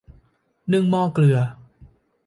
นึ่งหม้อเกลือ